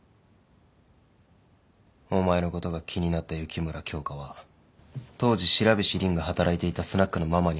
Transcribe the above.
お前のことが気になった雪村京花は当時白菱凜が働いていたスナックのママに会いに行った。